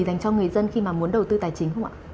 dành cho người dân khi mà muốn đầu tư tài chính không ạ